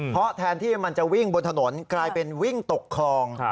เพราะแทนที่มันจะวิ่งบนถนนกลายเป็นวิ่งตกคลอง